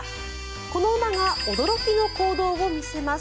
この馬が驚きの行動を見せます。